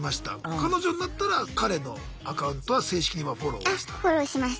彼女になったら彼のアカウントは正式にはフォローをした？